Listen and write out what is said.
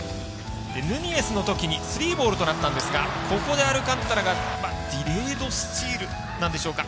ヌニエスのときにスリーボールとなったんですがここでアルカンタラがディレードスチールなんでしょうか。